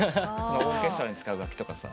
オーケストラに使う楽器とかさ。